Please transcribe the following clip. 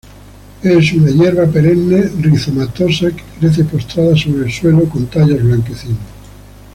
Es una hierba perenne, rizomatosa, que crece postrada sobre el suelo, con tallos blanquecinos.